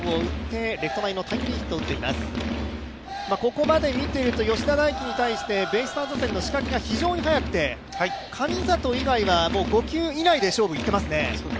ここまで見ていると吉田大喜に対してベイスターズ打線の仕掛けが非常に早くて、神里以外は５球以内で勝負にいっていますね。